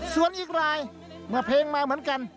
ส่วนอีกรายเมื่อเพลงมาเหมือนกัน